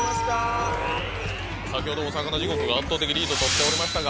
先ほど「おさかな地獄」が圧倒的リードをとっておりましたが。